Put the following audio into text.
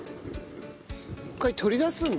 一回取り出すんだ。